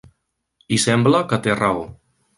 I sembla que té raó.